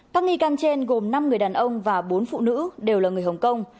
các nghi can trên gồm năm người đàn ông và bốn phụ nữ đều là người hồng kông